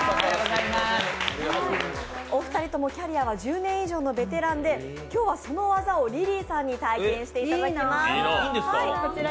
お二人ともキャリアは１０年以上のベテランで今日はその技をリリーさんに体験していただきます。